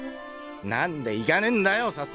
なんで行かねえんだよさっさと！